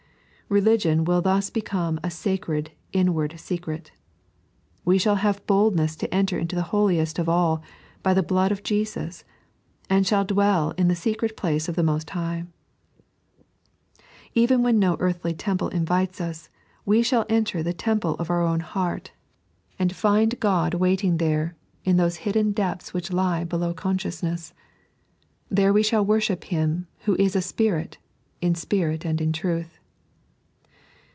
Religion will thus become a sacred inward secret. We shall have boldness to enter into the Holiest of AU by the blood of Jesus, and shall dwell in the secret place of the Most High. Even when no earthly temple invites us, we shall enter the temple of our own heart, and find Ood 3.n.iized by Google 106 "The Inwaedness op Tbub Religion." waiting there, in tlioee hidden depths which lie below con edoosnesB. There we shall worship Him, who is a Spirit, in spirit and in truth.